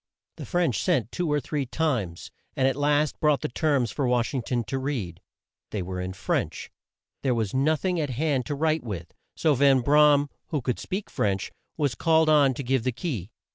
The French sent two or three times, and at last brought the terms for Wash ing ton to read. They were in French. There was no thing at hand to write with, so Van Bra am, who could speak French, was called on to give the key.